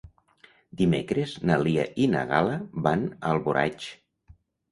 Dimecres na Lia i na Gal·la van a Alboraig.